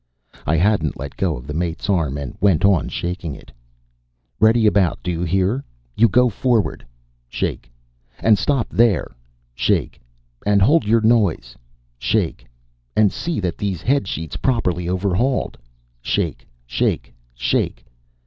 I hadn't let go the mate's arm and went on shaking it. "Ready about, do you hear? You go forward" shake "and stop there" shake "and hold your noise" shake "and see these head sheets properly overhauled" shake, shake shake.